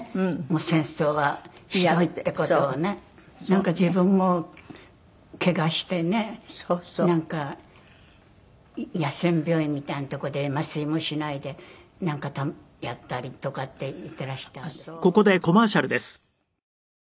なんか自分もケガしてね野戦病院みたいな所で麻酔もしないでなんかやったりとかって言っていらしたんですね。